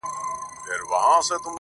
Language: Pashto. • ټولنه لا هم زده کړه کوي,